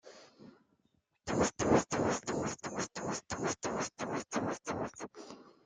Le triangle austral est situé aux pieds du Centaure.